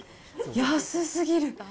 安すぎる。